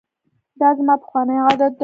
دا زما پخوانی عادت دی.